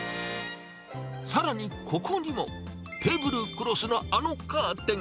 さらにここにも、テーブルクロスのあのカーテン。